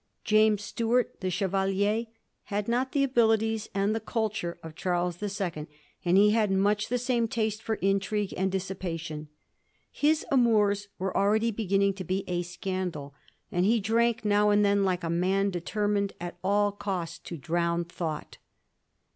James Stuart, the Chevalier, had not the abilities and the culture of Charles the Second, and he had much the same taste for intrigue and dissipation. His amours were already beginning to be a scandal, and he drank now and then like a man determined at all cost to drown thought.